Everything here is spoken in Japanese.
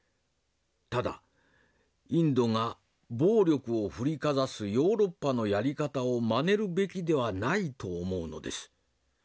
ただインドが暴力を振りかざすヨーロッパのやり方をまねるべきではないと思うのです。